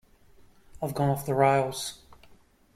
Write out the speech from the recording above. I've gone off the rails.